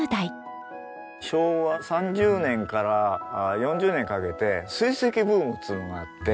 昭和３０年から４０年にかけて水石ブームっていうのがあって。